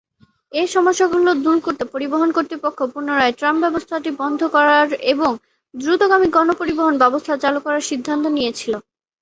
এই সমস্যাগুলো দূর করতে, পরিবহন কর্তৃপক্ষ পুরানো ট্রাম ব্যবস্থাটি বন্ধ করার এবং দ্রুতগামী গণ পরিবহন ব্যবস্থা চালু করার সিদ্ধান্ত নিয়েছিল।